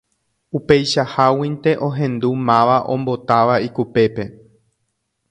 Upeichaháguinte ohendu máva ombotáva ikupépe.